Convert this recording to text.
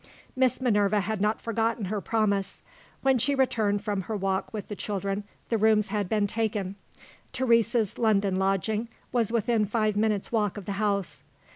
Miss Minerva had not forgotten her promise. When she returned from her walk with the children, the rooms had been taken. Teresa's London lodging was within five minutes' walk of the house.